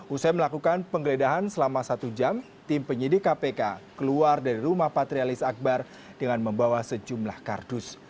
usai melakukan penggeledahan selama satu jam tim penyidik kpk keluar dari rumah patrialis akbar dengan membawa sejumlah kardus